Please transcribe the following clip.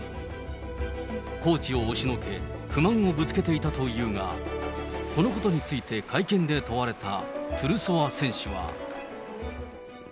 コーチを押しのけ、不満をぶつけていたというが、このことについて会見で問われたトゥルソワ選手は。